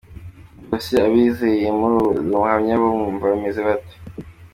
Ubwo se abizereye muri ubwo buhamya bo bumva bameze bate?